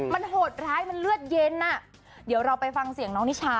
มันโหดร้ายมันเลือดเย็นอ่ะเดี๋ยวเราไปฟังเสียงน้องนิชา